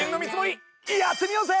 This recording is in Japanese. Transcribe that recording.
やってみようぜ！